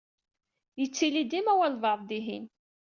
Yettili dima walebɛaḍ dihin.